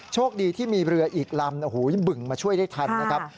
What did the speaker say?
โชคดีที่มีเรืออีกลำบึ่งมาช่วยได้ทันนะครับ